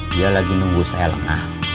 dia lagi nunggu saya lengah